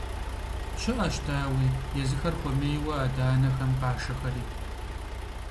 ЩыӀэщ, дауи, езыхэр хуэмейуэ адэ-анэхэм къашэхэри.